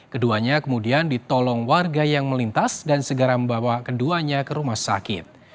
keduanya kemudian ditolong warga yang melintas dan segera membawa keduanya ke rumah sakit